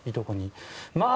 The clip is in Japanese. まあ